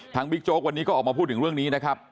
บิ๊กโจ๊กวันนี้ก็ออกมาพูดถึงเรื่องนี้นะครับ